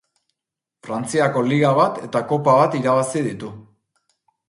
Frantziako Liga bat eta Kopa bat irabazi ditu.